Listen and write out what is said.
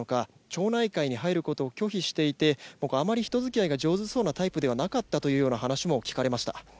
町内会に入ることを拒否していてあまり人づきあいが上手そうなタイプではなかったという話も聞かれました。